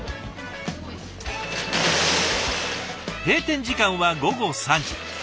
閉店時間は午後３時。